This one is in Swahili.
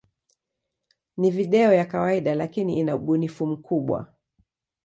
Ni video ya kawaida, lakini ina ubunifu mkubwa.